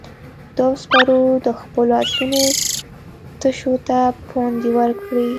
دوو سپرو د خپلو آسونو تشو ته پوندې ورکړې.